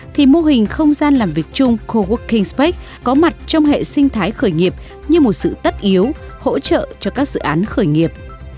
thì mô hình không gian làm việc chung coworking space có mặt trong hệ sinh thái khởi nghiệp như một sự tất yếu hỗ trợ cho các dự án khởi nghiệp